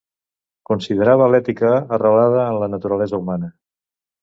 Considerava l'ètica arrelada en la naturalesa humana.